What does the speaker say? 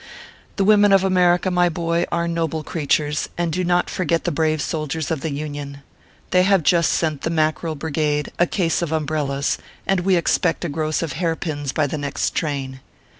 The women of America, my boy, are noble crea tures, and do not forget the brave soldiers of the Union. They have just sent the Mackerel Brigade a case of umbrellas, and we expect a gross of hair pins by the next train.